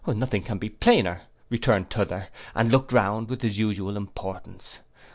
'—'Nothing can be plainer,' returned t'other, and looked round with his usual importance.